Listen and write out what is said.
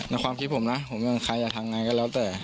ในความคิดผมนะผมไม่เห็นใครอยากทำงานก็แล้วแต่